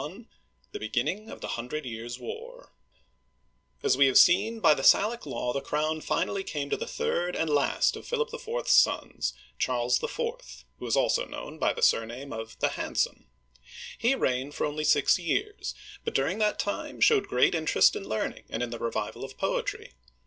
XLL THE BEGINNING OF THE HUNDRED YEARS* WAR AS we have seen, by the Salic Law the crown finally came to the third and last of Philip IV. *s sons, Charles IV., who is also known by the surname of the Handsome. He reigned only six years, but during that time showed great interest in learning, and in the revival of poetry.